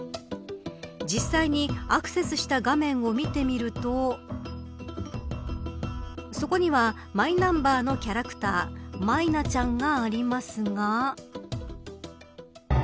実際にアクセスした画面を見てみるとそこにはマイナンバーのキャラクターマイナちゃんがありますが。